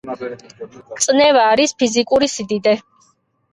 წნევა არის ფიზიკური სიდიდე